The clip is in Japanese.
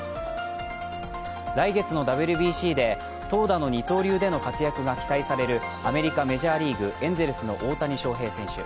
来月のＷＢＣで投打の二刀流での活躍が期待されるアメリカ・メジャーリーグ、エンゼルスの大谷翔平選手。